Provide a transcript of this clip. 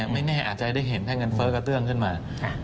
ไม่แน่อาจจะได้เห็นถ้าเงินเฟ้อกระเตื้องขึ้นมา